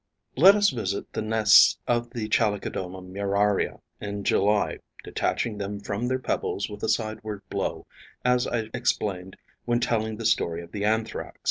Let us visit the nests of Chalicodoma muraria in July, detaching them from their pebbles with a sideward blow, as I explained when telling the story of the Anthrax.